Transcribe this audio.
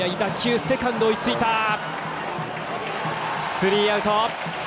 スリーアウト。